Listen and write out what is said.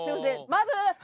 マブ！